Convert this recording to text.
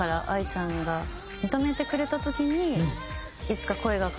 ＡＩちゃんが認めてくれた時にいつか声が。